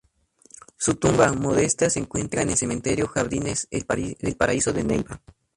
Su tumba, modesta, se encuentra en el cementerio Jardines el Paraíso de Neiva.